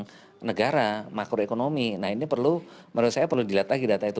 dari sudut pandang negara makro ekonomi nah ini perlu menurut saya dilatangi data itu